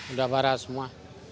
sudah barat semua